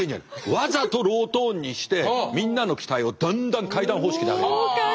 わざとロートーンにしてみんなの期待をだんだん階段方式で上げる。